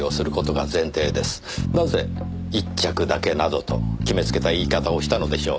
なぜ「一着だけ」などと決め付けた言い方をしたのでしょう。